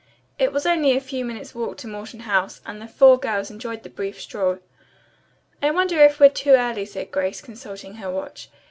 It was only a few minutes' walk to Morton House and the four girls enjoyed the brief stroll. "I wonder if we're too early," said Grace, consulting her watch.